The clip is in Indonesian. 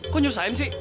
kok nyusahin sih